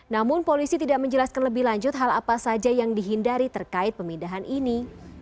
namun polisi tidak menjelaskan lebih lanjut hal apa saja yang dihindari terkait pemindahan ini